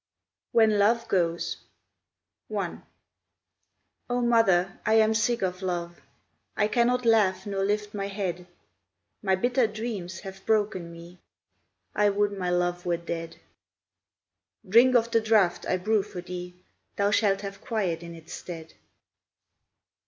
When Love Goes I O mother, I am sick of love, I cannot laugh nor lift my head, My bitter dreams have broken me, I would my love were dead. "Drink of the draught I brew for thee, Thou shalt have quiet in its stead."